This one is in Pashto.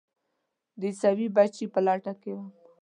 د عیسوي بچي په لټه کې وم.